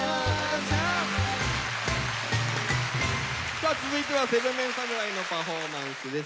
さあ続いては７ＭＥＮ侍のパフォーマンスです。